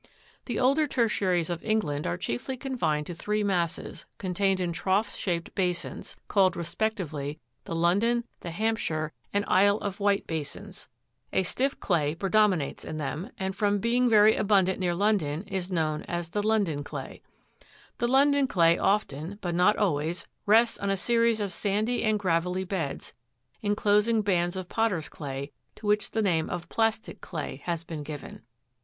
5. The older tertiaries of England are chiefly confined to three masses, contained in trough shaped basins, called respectively, the . London, the Hampshire, and Isle of Wight basins ; a stiff clay predominates in them, and, from being very abundant near Lon don, is known as the " London day''' The London clay often, but not always, rests on a series of sandy and gravelly beds, in closing bands of potters' clay, to which the name of Plastic clay has been given.